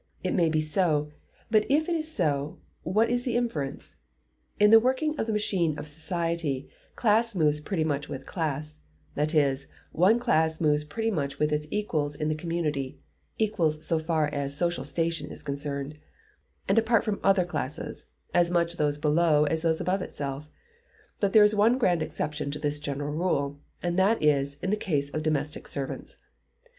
It may be so. But if it is so, what is the inference? In the working of the machine of society, class moves pretty much with class; that is, one class moves pretty much with its equals in the community (equals so far as social station is concerned), and apart from other classes, as much those below as those above itself; but there is one grand exception to this general rule, and that is, in the case of domestic servants.